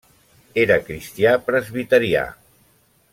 Era cristià presbiterià.